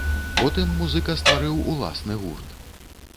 Потым музыка стварыў уласны гурт.